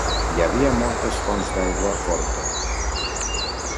Hi havia moltes fonts d'aigua forta.